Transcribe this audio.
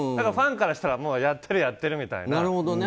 ファンからしたらやってる、やってるみたいな。